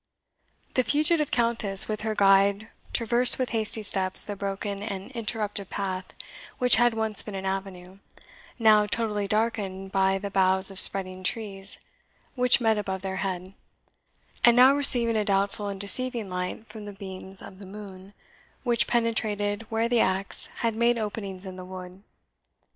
The fugitive Countess with her guide traversed with hasty steps the broken and interrupted path, which had once been an avenue, now totally darkened by the boughs of spreading trees which met above their head, and now receiving a doubtful and deceiving light from the beams of the moon, which penetrated where the axe had made openings in the wood.